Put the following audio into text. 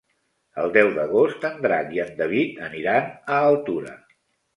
El deu d'agost en Drac i en David aniran a Altura.